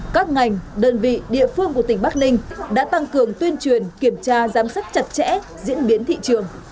các ngành đơn vị địa phương của tỉnh bắc ninh đã tăng cường tuyên truyền kiểm tra giám sát chặt chẽ diễn biến thị trường